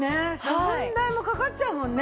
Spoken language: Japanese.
処分代もかかっちゃうもんね。